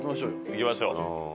行きましょう。